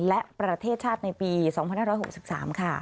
และประเทศชาติในปี๒๕๖๓ค่ะ